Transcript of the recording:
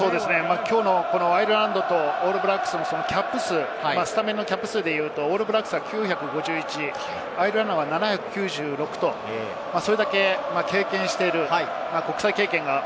アイルランドとオールブラックスのキャップ数、スタメンのキャップ数で言うとオールブラックスは９５１、アイルランドは７９６、国際経験をしている。